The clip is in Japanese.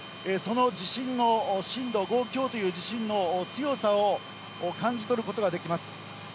その地震の震度５強という地震の強さを感じ取ることができます。